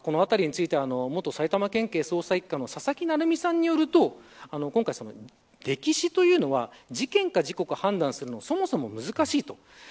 このあたりについては元埼玉県警捜査一課の佐々木成三さんによると今回、溺死というのは事件か事故か判断するのがそもそも難しいと。